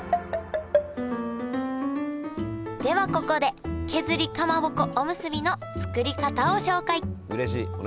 ではここで削りかまぼこおむすびの作り方を紹介うれしい！